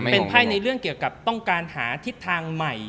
เป็นไพ่ในเรื่องเกี่ยวกับต้องการหาทิศทางใหม่